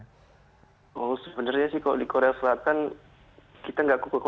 oh sebenarnya sih kalau di korea selatan kita nggak kukuh kukuh